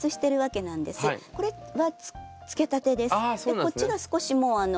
こっちが少しもうあの。